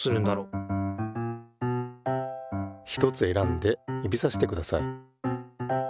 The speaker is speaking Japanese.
ひとつ選んで指さしてください。